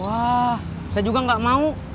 wah saya juga gak mau